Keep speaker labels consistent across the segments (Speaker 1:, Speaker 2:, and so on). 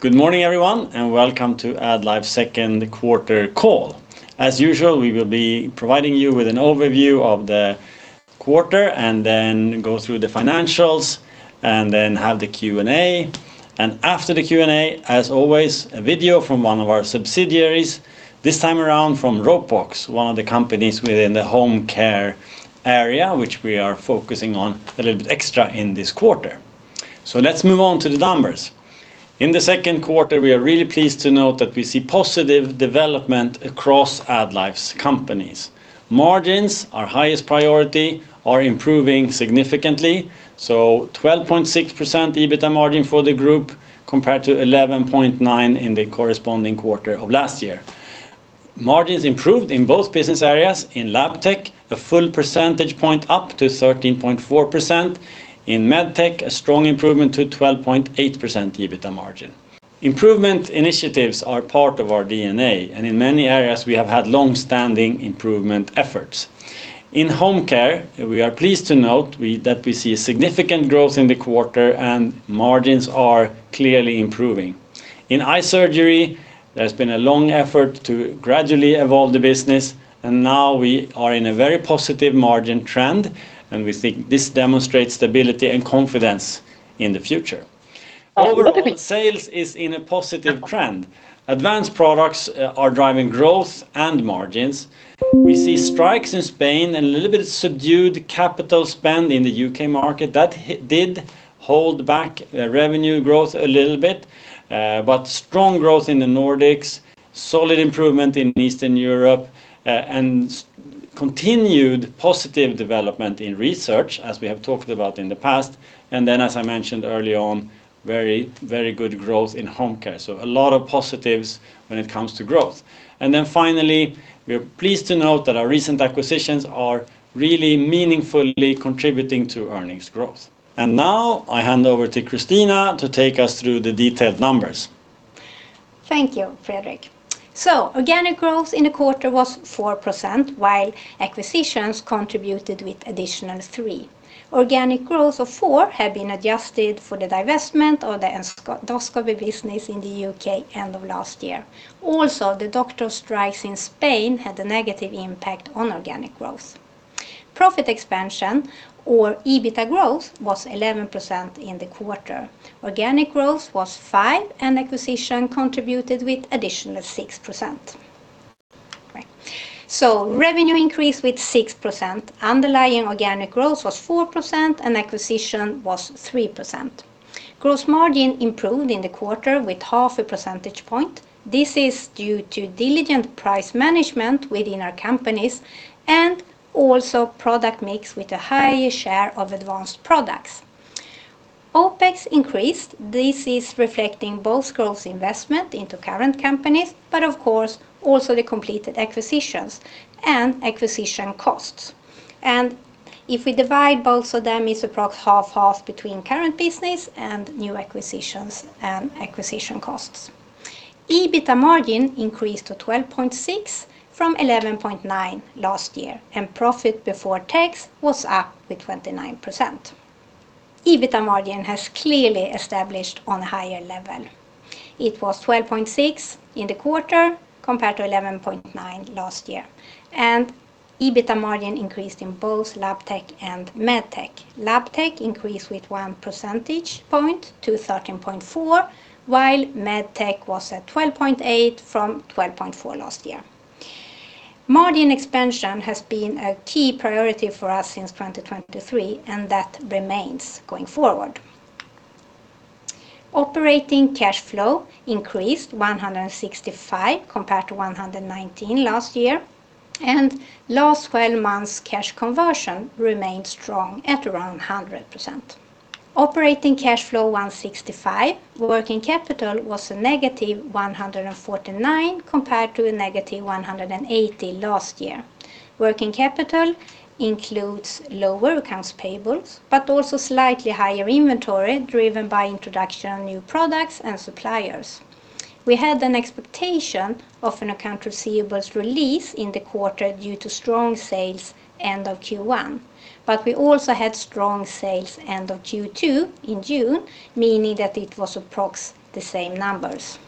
Speaker 1: Good morning, everyone, and welcome to AddLife Second Quarter Call. As usual, we will be providing you with an overview of the quarter, then go through the financials, then have the Q&A. After the Q&A, as always, a video from one of our subsidiaries. This time around from Ropox, one of the companies within the Home Care area, which we are focusing on a little bit extra in this quarter. Let's move on to the numbers. In the second quarter, we are really pleased to note that we see positive development across AddLife's companies. Margins, our highest priority, are improving significantly. 12.6% EBITA margin for the group, compared to 11.9% in the corresponding quarter of last year. Margins improved in both business areas. In Labtech, a full percentage point up to 13.4%. In Medtech, a strong improvement to 12.8% EBITA margin. Improvement initiatives are part of our DNA, and in many areas we have had long-standing improvement efforts. In Home Care, we are pleased to note that we see a significant growth in the quarter and margins are clearly improving. In eye surgery, there's been a long effort to gradually evolve the business, and now we are in a very positive margin trend, and we think this demonstrates stability and confidence in the future. Overall, sales is in a positive trend. Advanced products are driving growth and margins. We see strikes in Spain and a little bit of subdued capital spend in the U.K. market. That did hold back revenue growth a little bit. Strong growth in the Nordics, solid improvement in Eastern Europe, and continued positive development in research, as we have talked about in the past. Then, as I mentioned early on, very good growth in Home Care. A lot of positives when it comes to growth. Then finally, we are pleased to note that our recent acquisitions are really meaningfully contributing to earnings growth. Now I hand over to Christina to take us through the detailed numbers.
Speaker 2: Thank you, Fredrik. Organic growth in the quarter was 4%, while acquisitions contributed with additional 3%. Organic growth of 4% had been adjusted for the divestment of the endoscopy business in the U.K. end of last year. Also, the doctor strikes in Spain had a negative impact on organic growth. Profit expansion or EBITA growth was 11% in the quarter. Organic growth was 5%, and acquisition contributed with additional 6%. Revenue increased with 6%. Underlying organic growth was 4%, and acquisition was 3%. Gross margin improved in the quarter with 0.5 percentage point. This is due to diligent price management within our companies and also product mix with a higher share of advanced products. OpEx increased. This is reflecting both growth investment into current companies, but of course also the completed acquisitions and acquisition costs. If we divide both of them, it is approximately half-half between current business and new acquisitions and acquisition costs. EBITA margin increased to 12.6% from 11.9% last year, and profit before tax was up with 29%. EBITA margin has clearly established on a higher level. It was 12.6% in the quarter compared to 11.9% last year, and EBITA margin increased in both Labtech and Medtech. Labtech increased with one percentage point to 13.4%, while Medtech was at 12.8% from 12.4% last year. Margin expansion has been a key priority for us since 2023, and that remains going forward. Operating cash flow increased 165 million compared to 119 million last year, and last 12 months cash conversion remained strong at around 100%. Operating cash flow 165 million, working capital was a -149 million compared to a -180 million last year. Working capital includes lower accounts payables, also slightly higher inventory driven by introduction of new products and suppliers. We had an expectation of an account receivables release in the quarter due to strong sales end of Q1. We also had strong sales end of Q2 in June, meaning that it was approximately the same numbers.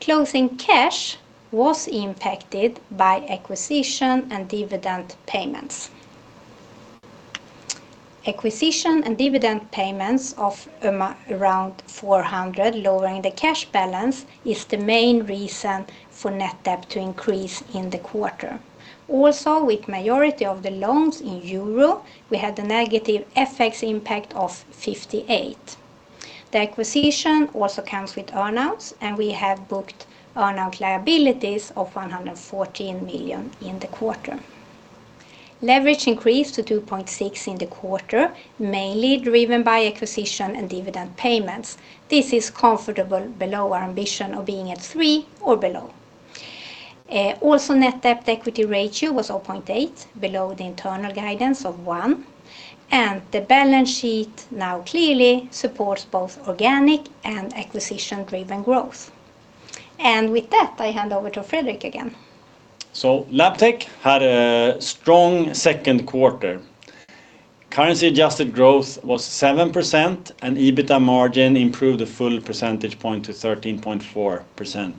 Speaker 2: Closing cash was impacted by acquisition and dividend payments. Acquisition and dividend payments of around 400 million, lowering the cash balance is the main reason for net debt to increase in the quarter. With majority of the loans in euro, we had a negative FX impact of 58 million. The acquisition also comes with earnouts, and we have booked earnout liabilities of 114 million in the quarter. Leverage increased to 2.6x in the quarter, mainly driven by acquisition and dividend payments. This is comfortable below our ambition of being at 3x or below. Net debt equity ratio was 0.8x below the internal guidance of one, the balance sheet now clearly supports both organic and acquisition-driven growth. With that, I hand over to Fredrik again.
Speaker 1: Labtech had a strong second quarter. Currency adjusted growth was 7%, and EBITA margin improved a full percentage point to 13.4%.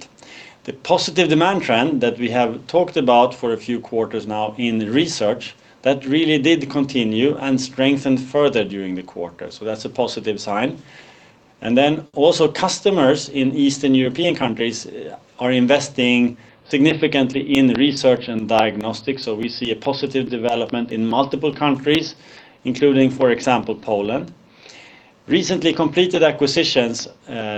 Speaker 1: The positive demand trend that we have talked about for a few quarters now in research, that really did continue and strengthened further during the quarter. That is a positive sign. Customers in Eastern European countries are investing significantly in research and diagnostics. We see a positive development in multiple countries, including, for example, Poland. Recently completed acquisitions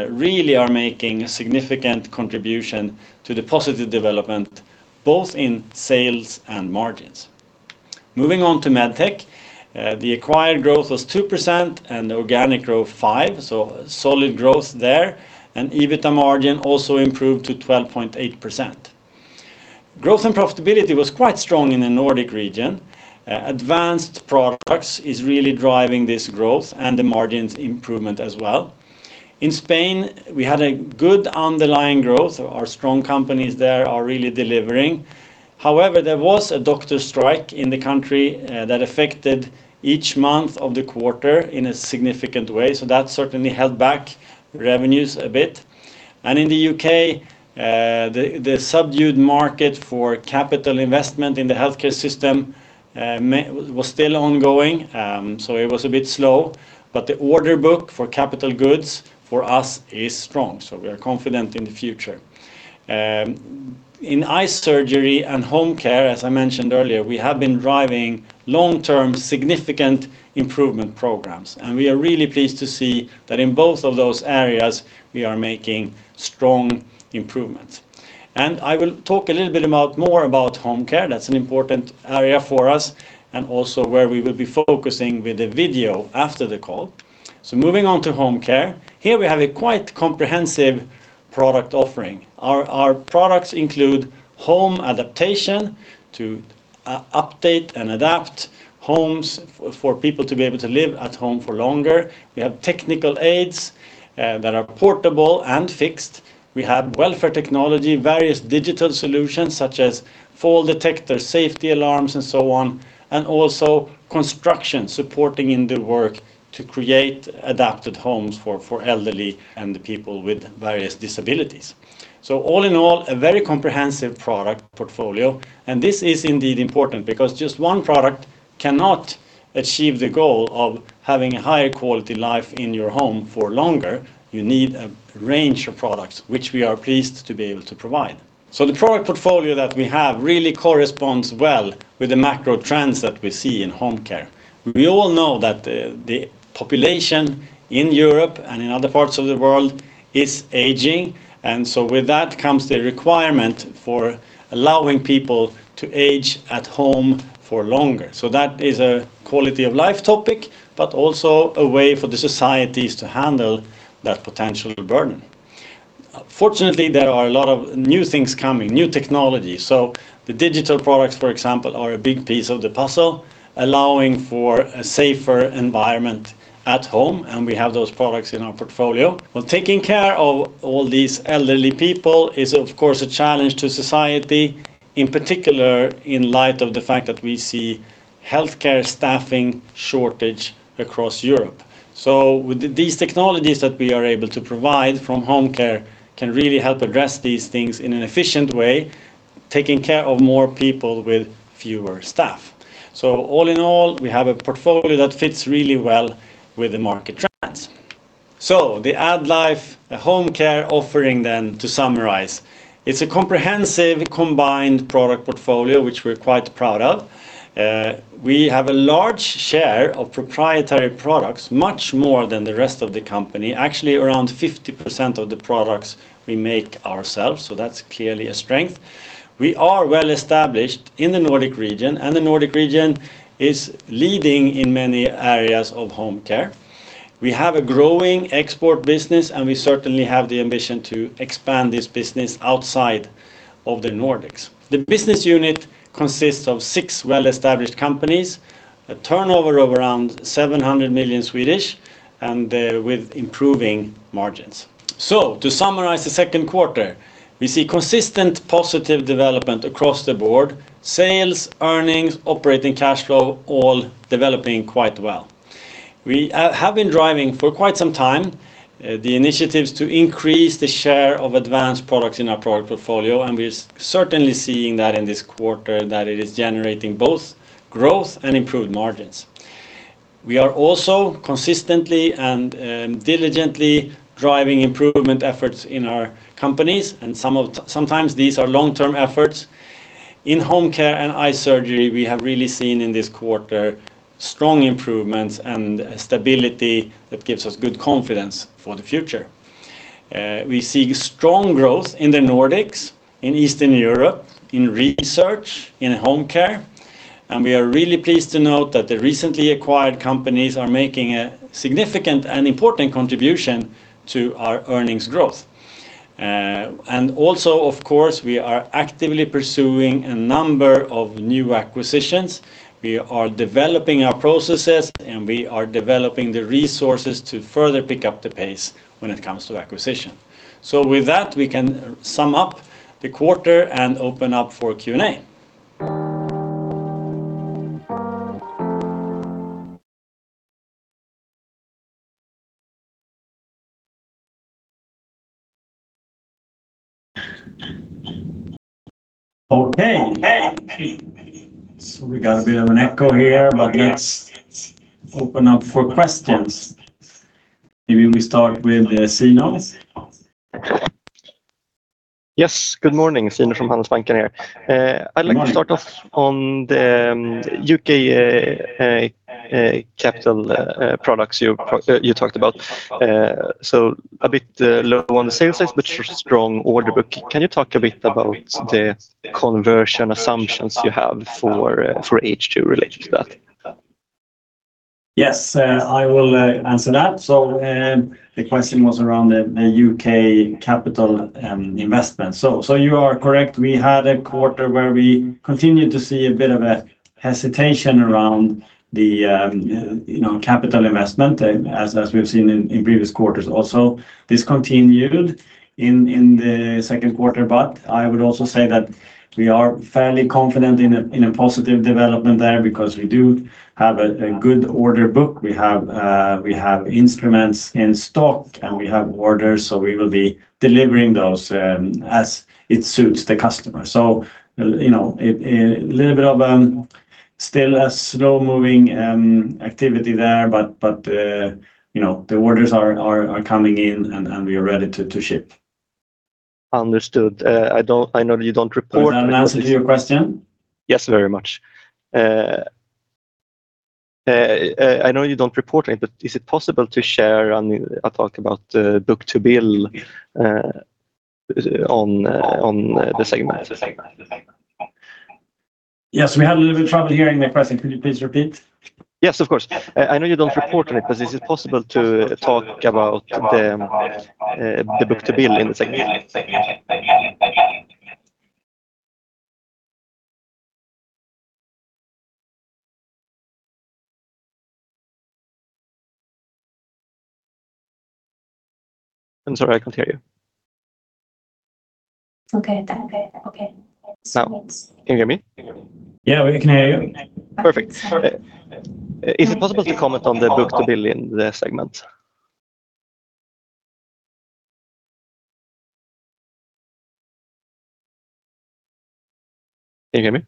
Speaker 1: really are making a significant contribution to the positive development, both in sales and margins. Moving on to Medtech. The acquired growth was 2% and organic growth 5%, solid growth there. EBITA margin also improved to 12.8%. Growth and profitability was quite strong in the Nordic region. Advanced products is really driving this growth and the margins improvement as well. In Spain, we had a good underlying growth. Our strong companies there are really delivering. However, there was a doctor strike in the country that affected each month of the quarter in a significant way. That certainly held back revenues a bit. In the U.K., the subdued market for capital investment in the healthcare system was still ongoing. It was a bit slow, but the order book for capital goods for us is strong. We are confident in the future. In eye surgery and home care, as I mentioned earlier, we have been driving long-term significant improvement programs, and we are really pleased to see that in both of those areas, we are making strong improvements. I will talk a little bit more about home care. That's an important area for us and also where we will be focusing with the video after the call. Moving on to Home Care. Here we have a quite comprehensive product offering. Our products include home adaptation to update and adapt homes for people to be able to live at home for longer. We have technical aids that are portable and fixed. We have welfare technology, various digital solutions such as fall detectors, safety alarms, and so on, and also construction supporting in the work to create adapted homes for elderly and the people with various disabilities. All in all, a very comprehensive product portfolio. This is indeed important because just one product cannot achieve the goal of having a high quality life in your home for longer. You need a range of products, which we are pleased to be able to provide. The product portfolio that we have really corresponds well with the macro trends that we see in Home Care. We all know that the population in Europe and in other parts of the world is aging. With that comes the requirement for allowing people to age at home for longer. That is a quality of life topic, but also a way for the societies to handle that potential burden. Fortunately, there are a lot of new things coming, new technology. The digital products, for example, are a big piece of the puzzle, allowing for a safer environment at home, and we have those products in our portfolio. Taking care of all these elderly people is, of course, a challenge to society, in particular, in light of the fact that we see healthcare staffing shortage across Europe. These technologies that we are able to provide from home care can really help address these things in an efficient way, taking care of more people with fewer staff. All in all, we have a portfolio that fits really well with the market trends. The AddLife home care offering then to summarize, it's a comprehensive combined product portfolio which we're quite proud of. We have a large share of proprietary products, much more than the rest of the company. Actually, around 50% of the products we make ourselves. That's clearly a strength. We are well established in the Nordic region, and the Nordic region is leading in many areas of home care. We have a growing export business, and we certainly have the ambition to expand this business outside of the Nordics. The business unit consists of six well-established companies, a turnover of around 700 million, and with improving margins. To summarize the second quarter. We see consistent positive development across the board. Sales, earnings, operating cash flow all developing quite well. We have been driving for quite some time, the initiatives to increase the share of advanced products in our product portfolio, and we are certainly seeing that in this quarter that it is generating both growth and improved margins. We are also consistently and diligently driving improvement efforts in our companies, and sometimes these are long-term efforts. In home care and eye surgery, we have really seen in this quarter strong improvements and stability that gives us good confidence for the future. We see strong growth in the Nordics, in Eastern Europe, in research, in home care, and we are really pleased to note that the recently acquired companies are making a significant and important contribution to our earnings growth. Also, of course, we are actively pursuing a number of new acquisitions. We are developing our processes, and we are developing the resources to further pick up the pace when it comes to acquisition. With that, we can sum up the quarter and open up for Q&A. Okay. We got a bit of an echo here, but let's open up for questions. Maybe we start with Zino.
Speaker 3: Yes. Good morning. Zino from Handelsbanken here. I'd like to start off on the U.K. capital products you talked about. A bit low on the sales side, but strong order book. Can you talk a bit about the conversion assumptions you have for H2 related to that?
Speaker 1: Yes, I will answer that. The question was around the U.K. capital investment. You are correct. We had a quarter where we continued to see a bit of a hesitation around the capital investment, as we've seen in previous quarters also. This continued in the second quarter, but I would also say that we are fairly confident in a positive development there because we do have a good order book. We have instruments in stock, and we have orders, so we will be delivering those as it suits the customer. A little bit of still a slow-moving activity there, but the orders are coming in, and we are ready to ship.
Speaker 3: Understood.
Speaker 1: Does that answer your question?
Speaker 3: Yes, very much. I know you don't report it, but is it possible to share and talk about the book-to-bill on the segment?
Speaker 1: Yes, we had a little bit of trouble hearing the question. Could you please repeat?
Speaker 3: Yes, of course. I know you don't report on it, is it possible to talk about the book-to-bill in the segment? I'm sorry, I can't hear you.
Speaker 2: Okay.
Speaker 3: Now. Can you hear me?
Speaker 1: Yeah, we can hear you.
Speaker 3: Perfect. Is it possible to comment on the book-to-bill in the segment? Can you hear me?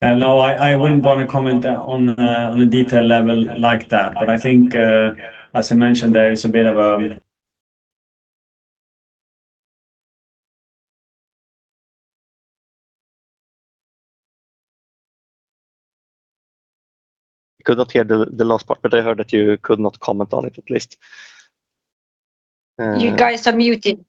Speaker 1: No, I wouldn't want to comment on a detail level like that. I think, as I mentioned, there is a bit of a
Speaker 3: I could not hear the last part, I heard that you could not comment on it, at least.
Speaker 2: You guys are muted.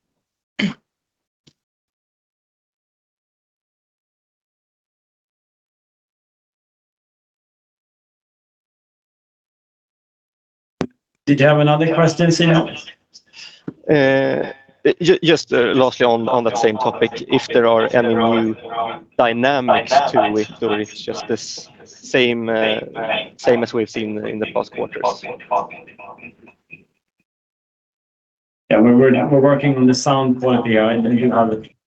Speaker 1: Did you have another question, Zino?
Speaker 3: Just lastly on that same topic, if there are any new dynamics to it, or if it's just the same as we've seen in the past quarters.
Speaker 1: Yeah, we're working on the sound quality.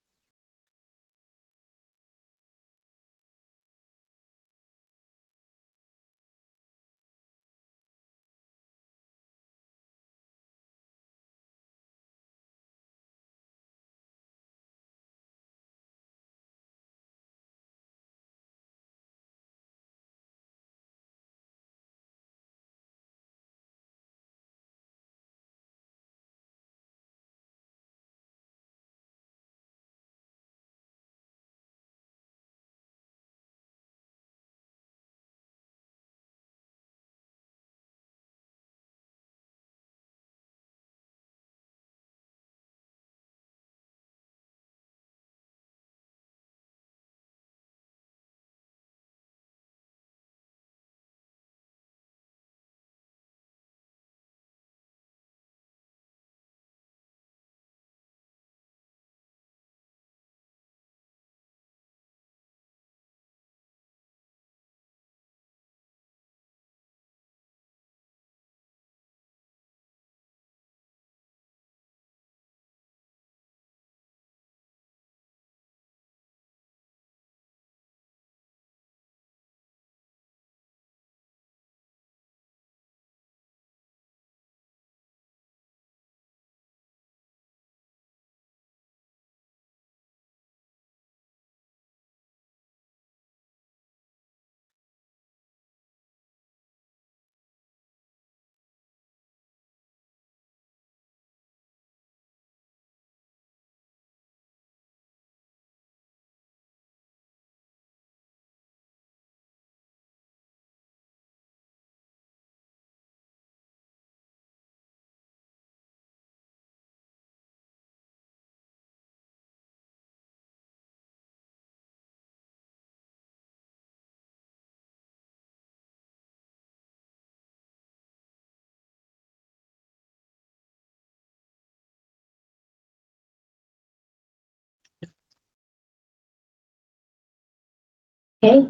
Speaker 3: Okay.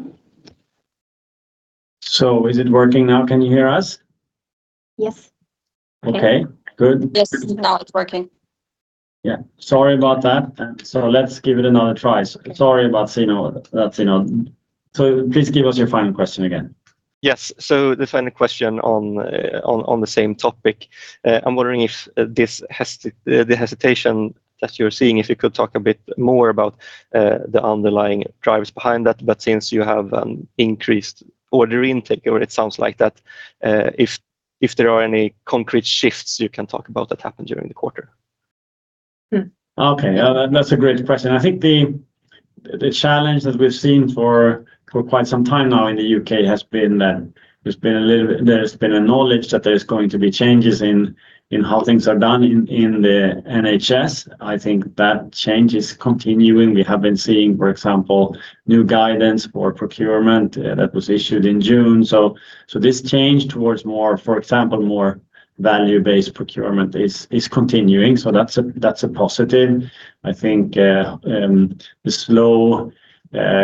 Speaker 1: Is it working now? Can you hear us?
Speaker 2: Yes.
Speaker 1: Okay, good.
Speaker 2: Yes, now it's working.
Speaker 1: Yeah. Sorry about that. Let's give it another try. Sorry about that Zino. Please give us your final question again.
Speaker 3: Yes. The final question on the same topic. I'm wondering if the hesitation that you're seeing, if you could talk a bit more about the underlying drivers behind that. Since you have increased order intake, or it sounds like that, if there are any concrete shifts you can talk about that happened during the quarter?
Speaker 1: Okay. That's a great question. I think the challenge that we've seen for quite some time now in the U.K. has been a knowledge that there's going to be changes in how things are done in the NHS. I think that change is continuing. We have been seeing, for example, new guidance for procurement that was issued in June. This change towards more, for example, more value-based procurement is continuing. That's a positive. I think the slow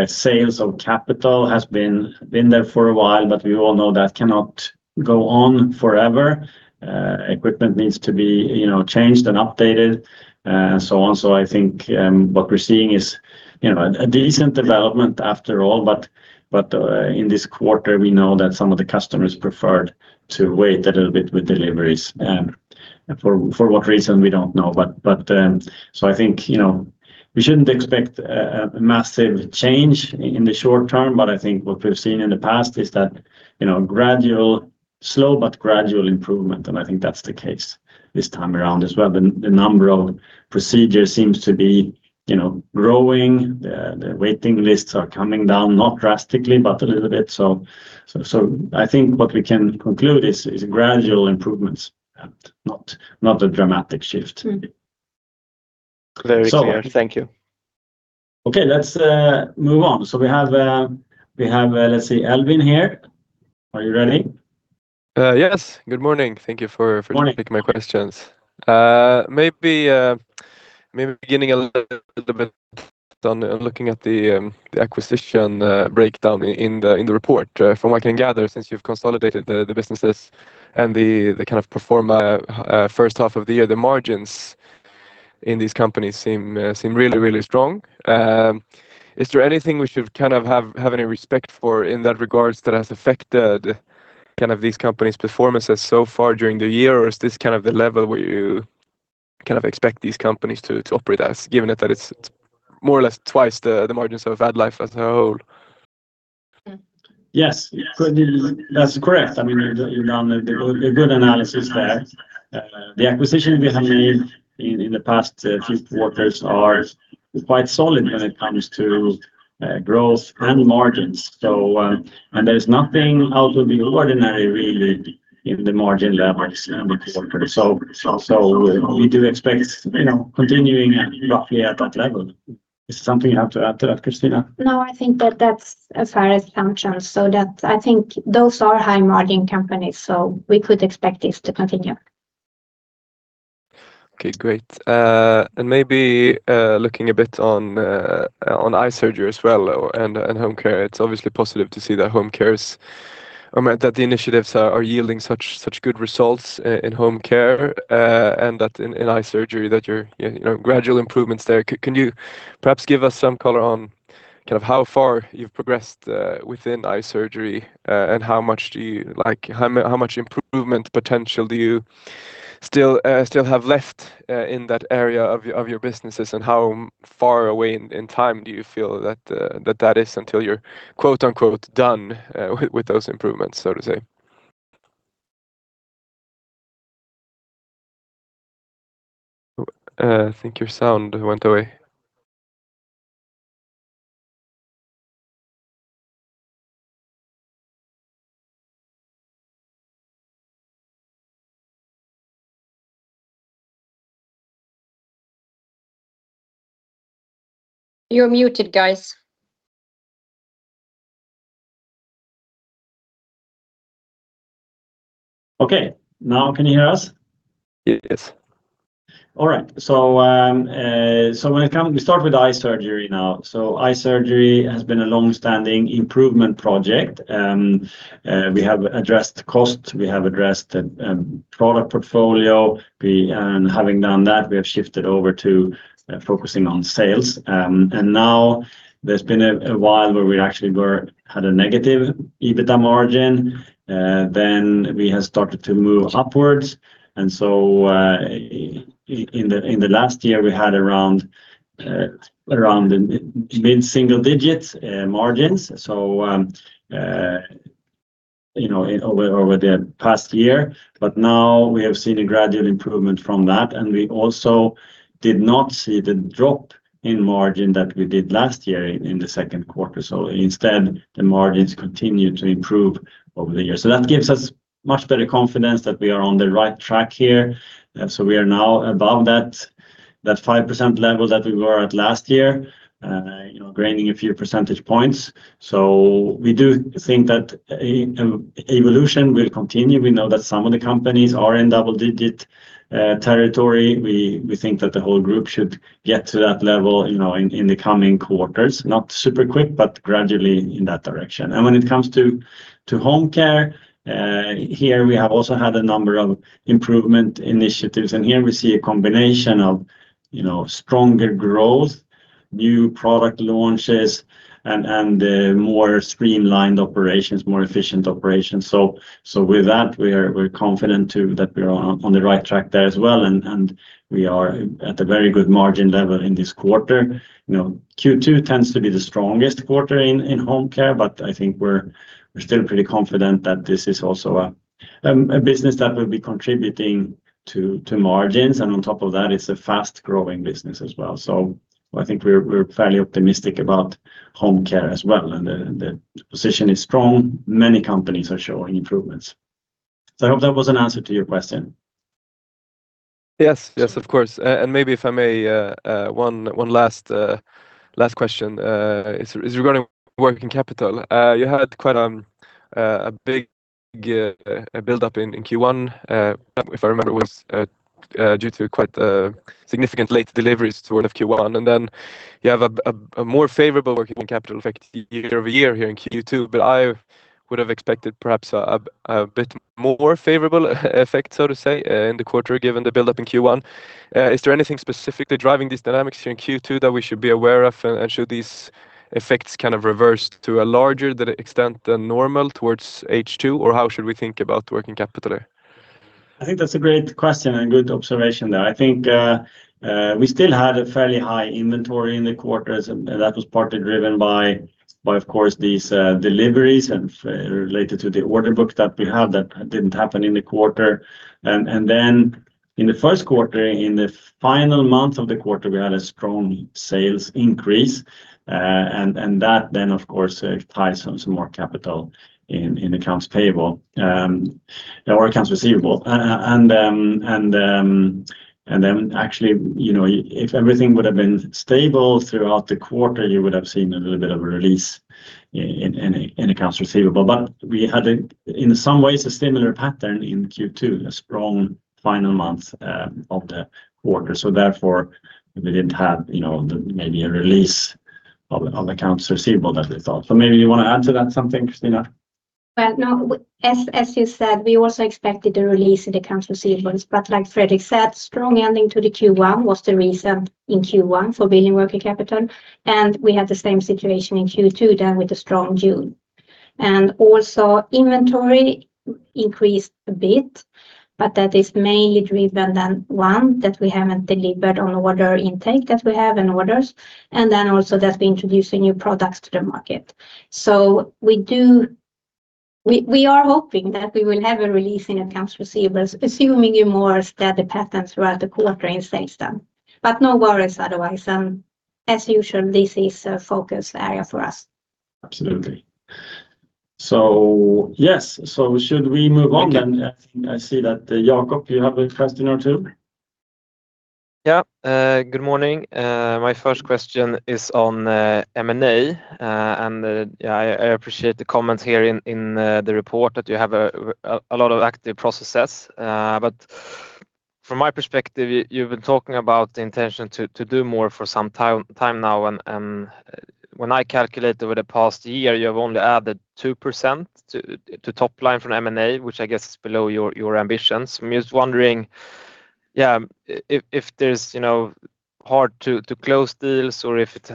Speaker 1: sales of capital has been there for a while, we all know that cannot go on forever. Equipment needs to be changed and updated, and so on. I think what we're seeing is a decent development after all. In this quarter, we know that some of the customers preferred to wait a little bit with deliveries. For what reason, we don't know. I think we shouldn't expect a massive change in the short term. I think what we've seen in the past is slow, but gradual improvement, and I think that's the case this time around as well. The number of procedures seems to be growing. The waiting lists are coming down, not drastically, but a little bit. I think what we can conclude is gradual improvements and not a dramatic shift.
Speaker 3: Very clear. Thank you.
Speaker 1: Okay. Let's move on. We have, let's see, Alvin here. Are you ready?
Speaker 4: Yes. Good morning.
Speaker 1: Morning.
Speaker 4: Thank you for taking my questions. Maybe beginning a little bit on looking at the acquisition breakdown in the report. From what I can gather, since you've consolidated the businesses and the kind of pro forma first half of the year, the margins in these companies seem really, really strong. Is there anything we should have any respect for in that regard that has affected these companies' performances so far during the year? Or is this the level where you expect these companies to operate as, given that it's more or less twice the margins of AddLife as a whole?
Speaker 1: Yes. That's correct. You've done a good analysis there. The acquisitions we have made in the past few quarters are quite solid when it comes to growth and margins. There is nothing out of the ordinary, really, in the margin levels in the quarter. We do expect continuing roughly at that level. Is there something you have to add to that, Christina?
Speaker 2: No, I think that that's as far as functions. That I think those are high margin companies, so we could expect this to continue.
Speaker 4: Okay, great. Maybe looking a bit on eye surgery as well, and home care. It's obviously positive to see that the initiatives are yielding such good results in home care, and that in eye surgery that your gradual improvements there. Can you perhaps give us some color on how far you've progressed within eye surgery, how much improvement potential do you still have left in that area of your businesses, and how far away in time do you feel that that is until you're "done" with those improvements, so to say? I think your sound went away.
Speaker 2: You're muted, guys.
Speaker 1: Okay. Now can you hear us?
Speaker 4: Yes.
Speaker 1: All right. We start with eye surgery now. Eye surgery has been a long-standing improvement project. We have addressed cost, we have addressed product portfolio. Having done that, we have shifted over to focusing on sales. Now there has been a while where we actually had a negative EBITA margin. We have started to move upwards. In the last year, we had around mid-single digits margins over the past year. Now we have seen a gradual improvement from that, and we also did not see the drop in margin that we did last year in the second quarter. Instead, the margins continue to improve over the year. That gives us much better confidence that we are on the right track here. We are now above that 5% level that we were at last year, gaining a few percentage points. We do think that evolution will continue. We know that some of the companies are in double digit territory. We think that the whole group should get to that level in the coming quarters. Not super quick, but gradually in that direction. When it comes to Home Care, here we have also had a number of improvement initiatives. Here we see a combination of stronger growth, new product launches, and more streamlined operations, more efficient operations. With that, we are confident too that we are on the right track there as well. We are at a very good margin level in this quarter. Q2 tends to be the strongest quarter in Home Care, but I think we are still pretty confident that this is also a business that will be contributing to margins. On top of that, it is a fast-growing business as well. I think we are fairly optimistic about home care as well, and the position is strong. Many companies are showing improvements. I hope that was an answer to your question.
Speaker 4: Yes, of course. Maybe if I may, one last question is regarding working capital. You had quite a big buildup in Q1. If I remember, it was due to quite significant late deliveries toward Q1. Then you have a more favorable working capital effect year-over-year here in Q2. I would have expected perhaps a bit more favorable effect, so to say, in the quarter, given the buildup in Q1. Is there anything specifically driving these dynamics here in Q2 that we should be aware of, and should these effects reverse to a larger extent than normal towards H2? How should we think about working capital?
Speaker 1: I think that's a great question and good observation there. I think we still had a fairly high inventory in the quarters, and that was partly driven by, of course, these deliveries and related to the order book that we had that didn't happen in the quarter. In the first quarter, in the final month of the quarter, we had a strong sales increase. That then, of course, ties some more capital in accounts payable, or accounts receivable. Actually, if everything would have been stable throughout the quarter, you would have seen a little bit of a release in accounts receivable. We had, in some ways, a similar pattern in Q2, a strong final month of the quarter. Therefore, we didn't have maybe a release of accounts receivable that we thought. Maybe you want to add to that something, Christina?
Speaker 2: Well, no, as you said, we also expected a release in accounts receivables. Like Fredrik said, strong ending to the Q1 was the reason in Q1 for building working capital, and we had the same situation in Q2 then with a strong June. Also inventory increased a bit, but that is mainly driven than one that we haven't delivered on order intake that we have in orders. Also that we introduce new products to the market. We are hoping that we will have a release in accounts receivables, assuming a more steady pattern throughout the quarter in sales then. No worries otherwise. As usual, this is a focus area for us.
Speaker 1: Absolutely. Yes. Should we move on then? I see that, Jakob, you have a question or two.
Speaker 5: Yeah. Good morning. My first question is on M&A, and I appreciate the comments here in the report that you have a lot of active processes. From my perspective, you've been talking about the intention to do more for some time now. When I calculate over the past year, you have only added 2% to top line from M&A, which I guess is below your ambitions. I'm just wondering if there's hard-to-close deals or if it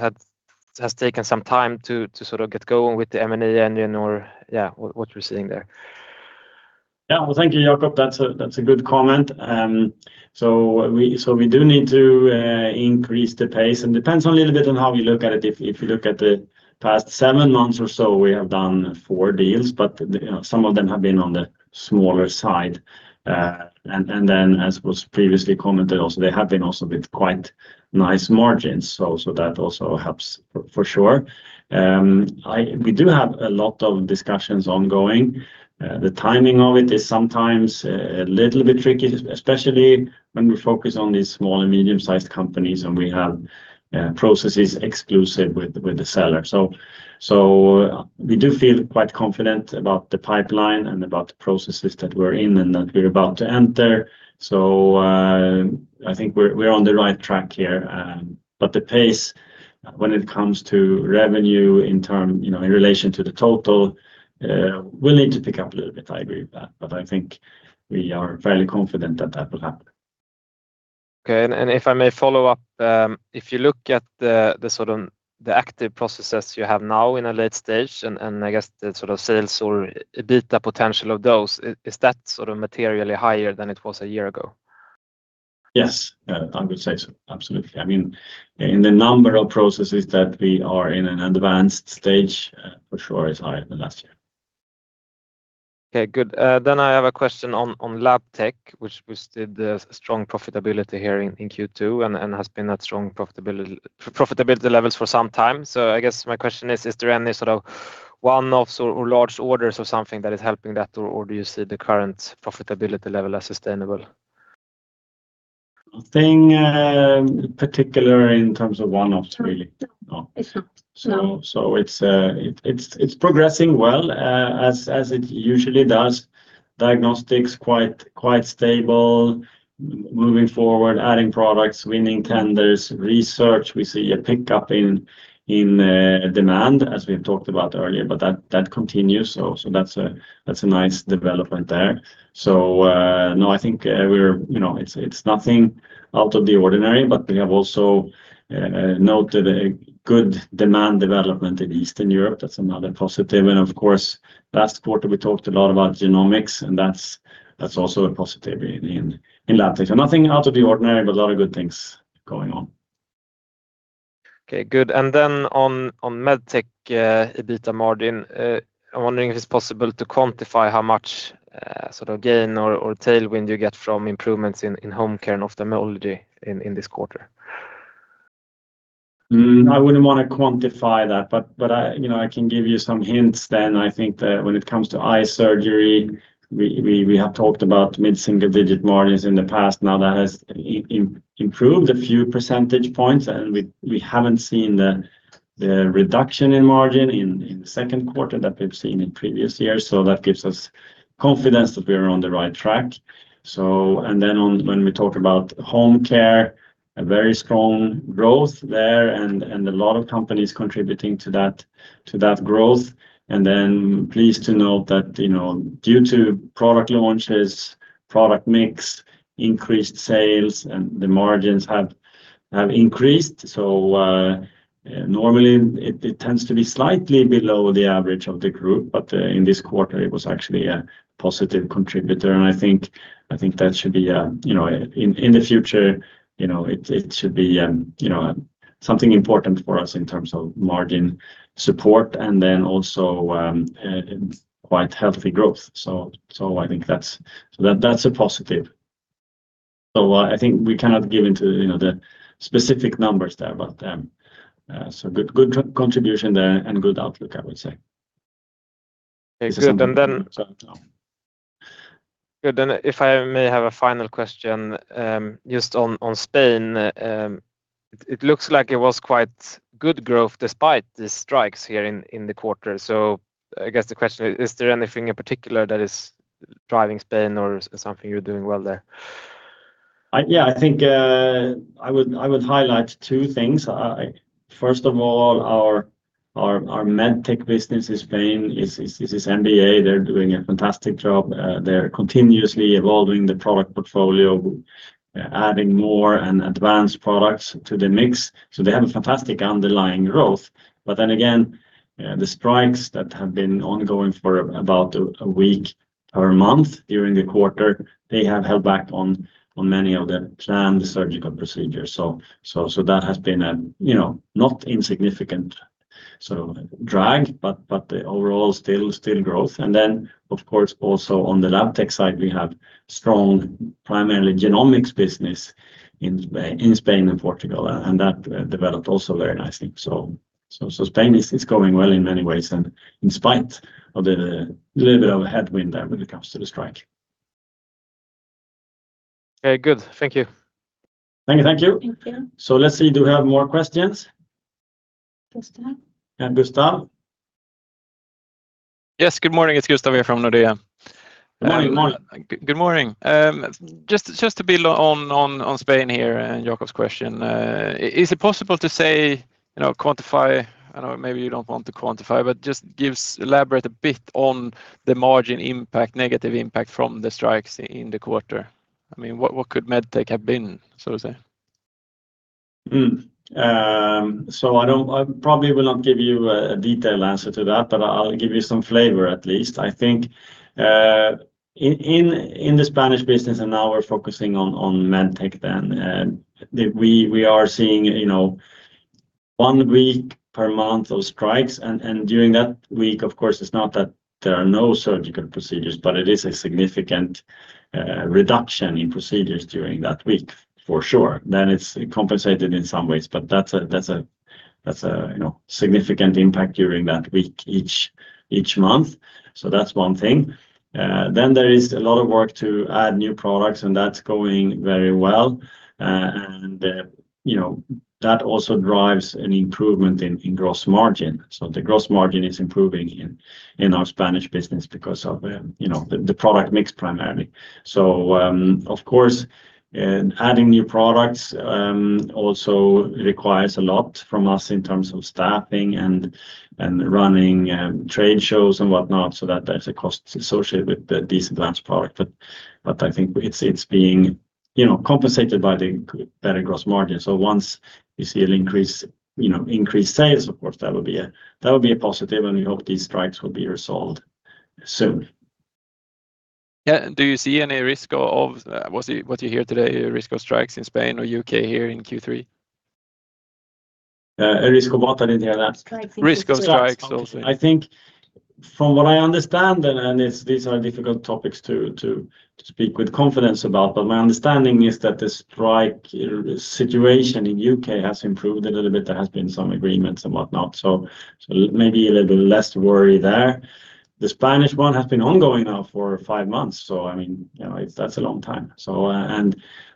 Speaker 5: has taken some time to sort of get going with the M&A engine or what you're seeing there.
Speaker 1: Well, thank you, Jakob. That's a good comment. We do need to increase the pace, and it depends a little bit on how you look at it. If you look at the past seven months or so, we have done four deals, but some of them have been on the smaller side. As was previously commented also, they have been also with quite nice margins. That also helps for sure. We do have a lot of discussions ongoing. The timing of it is sometimes a little bit tricky, especially when we focus on these small and medium-sized companies and we have processes exclusive with the seller. We do feel quite confident about the pipeline and about the processes that we're in and that we're about to enter. I think we're on the right track here. The pace when it comes to revenue in relation to the total will need to pick up a little bit. I agree with that, I think we are fairly confident that will happen.
Speaker 5: Okay. If I may follow up, if you look at the active processes you have now in a late stage and I guess the sort of sales or EBITA potential of those, is that sort of materially higher than it was a year ago?
Speaker 1: Yes. I would say so. Absolutely. In the number of processes that we are in an advanced stage, for sure is higher than last year.
Speaker 5: I have a question on Labtech, which did a strong profitability here in Q2 and has been at strong profitability levels for some time. I guess my question is there any one-offs or large orders or something that is helping that, or do you see the current profitability level as sustainable?
Speaker 1: Nothing particular in terms of one-offs really.
Speaker 2: No. It's not.
Speaker 1: It's progressing well as it usually does. Diagnostics quite stable, moving forward, adding products, winning tenders. Research, we see a pickup in demand as we have talked about earlier, but that continues. That's a nice development there. No, I think it's nothing out of the ordinary, but we have also noted a good demand development in Eastern Europe. That's another positive, and of course, last quarter we talked a lot about genomics, and that's also a positive in Labtech. Nothing out of the ordinary, but a lot of good things going on.
Speaker 5: Okay, good. On Medtech EBITA margin, I'm wondering if it's possible to quantify how much gain or tailwind you get from improvements in home care and ophthalmology in this quarter?
Speaker 1: I wouldn't want to quantify that. I can give you some hints then. I think that when it comes to eye surgery, we have talked about mid-single digit margins in the past. Now that has improved a few percentage points, we haven't seen the reduction in margin in the second quarter that we've seen in previous years. That gives us confidence that we are on the right track. When we talk about home care, a very strong growth there and a lot of companies contributing to that growth. Pleased to note that due to product launches, product mix, increased sales and the margins have increased. Normally, it tends to be slightly below the average of the group, but in this quarter, it was actually a positive contributor. I think that in the future it should be something important for us in terms of margin support and then also quite healthy growth. I think that's a positive. I think we cannot give into the specific numbers there. Good contribution there and good outlook, I would say.
Speaker 5: Okay, good. If I may have a final question, just on Spain. It looks like it was quite good growth despite the strikes here in the quarter. I guess the question, is there anything in particular that is driving Spain or something you're doing well there?
Speaker 1: I think I would highlight two things. First of all, our Medtech business in Spain is MBA. They're doing a fantastic job. They're continuously evolving the product portfolio, adding more and advanced products to the mix. They have a fantastic underlying growth. The strikes that have been ongoing for about a week per month during the quarter, they have held back on many of the planned surgical procedures. That has been a not insignificant drag, but the overall still growth. Also on the Labtech side, we have strong primarily genomics business in Spain and Portugal, and that developed also very nicely. Spain is going well in many ways, and in spite of the little bit of a headwind there when it comes to the strike.
Speaker 5: Okay, good. Thank you.
Speaker 1: Thank you. Let's see. Do we have more questions?
Speaker 2: Gustav.
Speaker 1: Gustav.
Speaker 6: Yes, good morning. It's Gustav here from Nordea.
Speaker 1: Morning.
Speaker 6: Good morning. Just to be on Spain here and Jakob's question, is it possible to say, quantify, I know maybe you don't want to quantify, but just elaborate a bit on the margin impact, negative impact from the strikes in the quarter. What could Medtech have been, so to say?
Speaker 1: I probably will not give you a detailed answer to that, I'll give you some flavor at least. I think in the Spanish business, now we're focusing on Medtech then. We are seeing one week per month of strikes, during that week, of course, it's not that there are no surgical procedures, but it is a significant reduction in procedures during that week, for sure. It's compensated in some ways, but that's a significant impact during that week each month. That's one thing. There is a lot of work to add new products, that's going very well. That also drives an improvement in gross margin. The gross margin is improving in our Spanish business because of the product mix primarily. Of course, adding new products also requires a lot from us in terms of staffing and running trade shows and whatnot. That's a cost associated with these advanced product. I think it's being compensated by the better gross margin. Once you see increased sales, of course, that would be a positive, we hope these strikes will be resolved soon.
Speaker 6: Yeah. Do you see any risk of, what you hear today, risk of strikes in Spain or U.K. here in Q3?
Speaker 1: A risk of what? I didn't hear that.
Speaker 2: Strikes.
Speaker 6: Risk of strikes also.
Speaker 1: I think from what I understand, these are difficult topics to speak with confidence about, my understanding is that the strike situation in U.K. has improved a little bit. There has been some agreements and whatnot. Maybe a little less worry there. The Spanish one has been ongoing now for five months. That's a long time.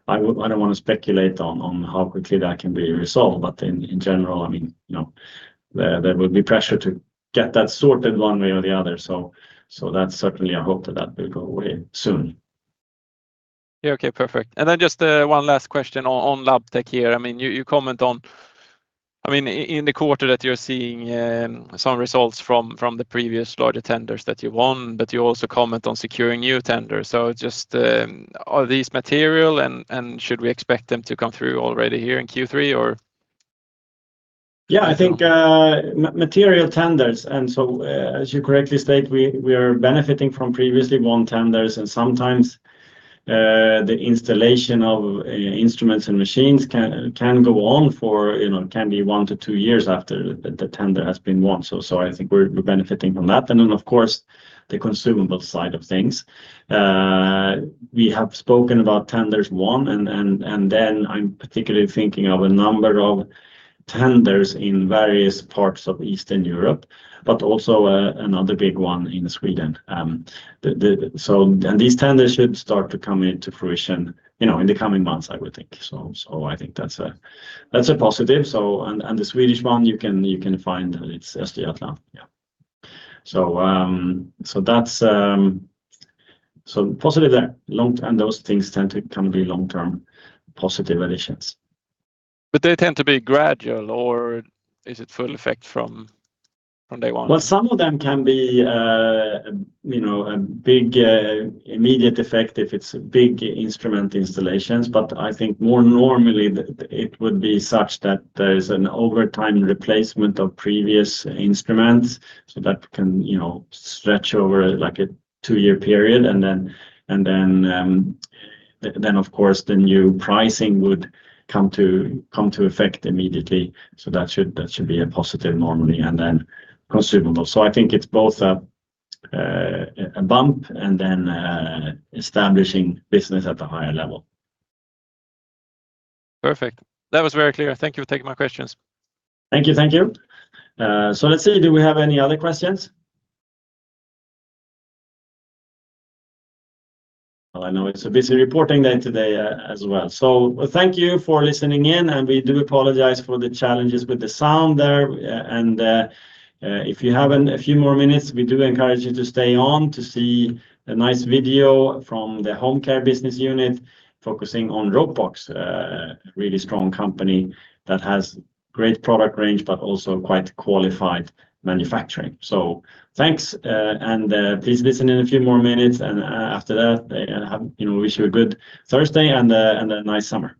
Speaker 1: I don't want to speculate on how quickly that can be resolved. In general, there will be pressure to get that sorted one way or the other. That's certainly a hope that will go away soon.
Speaker 6: Yeah. Okay, perfect. Then just one last question on Labtech here. You comment on in the quarter that you're seeing some results from the previous larger tenders that you won, but you also comment on securing new tenders. Just are these material and should we expect them to come through already here in Q3, or?
Speaker 1: I think material tenders. As you correctly state, we are benefiting from previously won tenders and sometimes the installation of instruments and machines can go on for one to two years after the tender has been won. I think we're benefiting from that. Then, of course, the consumable side of things. We have spoken about tenders won, then I'm particularly thinking of a number of tenders in various parts of Eastern Europe, but also another big one in Sweden. These tenders should start to come into fruition in the coming months, I would think. I think that's a positive. The Swedish one, you can find that it's. [inaudible] Positive there. Those things tend to become very long-term positive additions.
Speaker 6: They tend to be gradual, or is it full effect from day one?
Speaker 1: Well, some of them can be a big immediate effect if it's big instrument installations. I think more normally it would be such that there's an over time replacement of previous instruments that can stretch over a two-year period, then, of course, the new pricing would come to effect immediately. That should be a positive normally, then consumable. I think it's both a bump and then establishing business at a higher level.
Speaker 6: Perfect. That was very clear. Thank you for taking my questions.
Speaker 1: Thank you. Let's see, do we have any other questions? I know it's a busy reporting day today as well. Thank you for listening in, and we do apologize for the challenges with the sound there. If you have a few more minutes, we do encourage you to stay on to see a nice video from the Home Care business unit focusing on Ropox, a really strong company that has great product range, but also quite qualified manufacturing. Thanks, and please listen in a few more minutes. After that, we wish you a good Thursday and a nice summer.